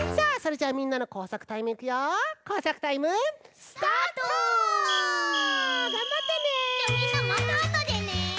じゃあみんなまたあとでね。